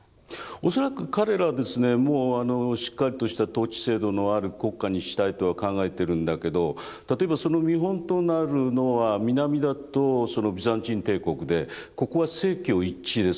恐らく彼らはですねもうあのしっかりとした統治制度のある国家にしたいとは考えてるんだけど例えばその見本となるのは南だとビザンチン帝国でここは政教一致ですよね。